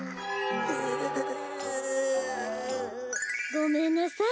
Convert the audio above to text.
ごめんなさい。